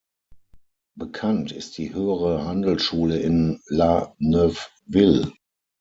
Bekannt ist die Höhere Handelsschule in La Neuveville.